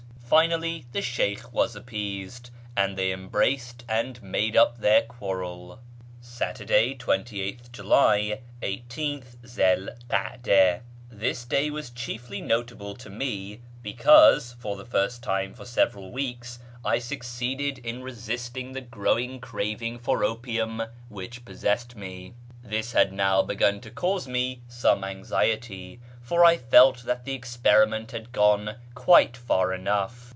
Finally the Sheykh was appeased, and they embraced and made up their quarrel. Saturday, 28 th July, 18 th Zi 'l Ka'da. — This day was chiefly notable to me because, for the first time for several weeks, I succeeded in resisting the growing craving for opium which possessed me. This had now begun to cause me some anxiety, for I felt that the experiment had gone quite far enough.